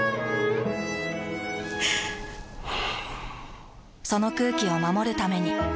ふぅその空気を守るために。